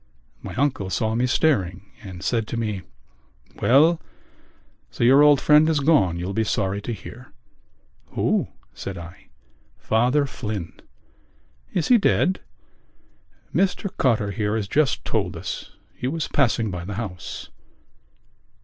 My uncle saw me staring and said to me: "Well, so your old friend is gone, you'll be sorry to hear." "Who?" said I. "Father Flynn." "Is he dead?" "Mr Cotter here has just told us. He was passing by the house."